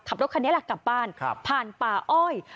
ขับรถคันนี้แหละกลับบ้านผ่านป่าอ้อย